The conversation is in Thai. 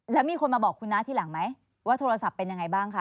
แล้วมีคนมาบอกคุณน้าทีหลังไหมว่าโทรศัพท์เป็นยังไงบ้างคะ